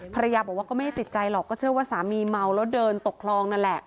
ภรรยาบอกว่าก็ไม่ได้ติดใจหรอกก็เชื่อว่าสามีเมาแล้วเดินตกคลองนั่นแหละ